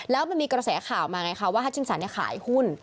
แล้วมันมีกระแสข่าวมาไงคะว่าฮัชชิงสันขายหุ้น